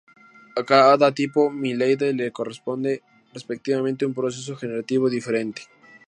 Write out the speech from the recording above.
A cada tipo mieloide le corresponde respectivamente un proceso generativo diferente.